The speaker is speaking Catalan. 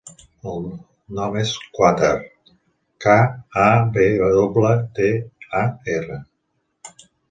El nom és Kawtar: ca, a, ve doble, te, a, erra.